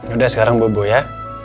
udah sekarang bobo ya